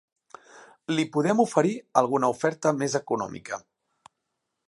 Li podem oferir alguna oferta més econòmica.